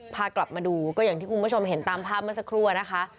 พากลับมาดูก็อย่างที่คุณผู้ชมเห็นตามภาพเมื่อสักครู่นะคะ